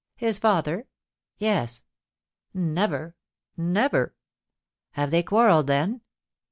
"His father?" "Yes." "Never never!" "Have they quarrelled, then?"